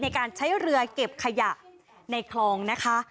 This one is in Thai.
ในการใช้เรือเก็บขยะในคลองนะคะ